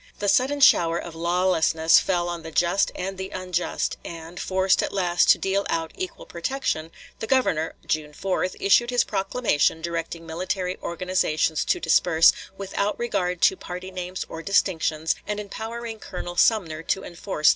The sudden shower of lawlessness fell on the just and the unjust; and, forced at last to deal out equal protection, the Governor (June 4) issued his proclamation directing military organizations to disperse, "without regard to party names, or distinctions," and empowering Colonel Sumner to enforce the order.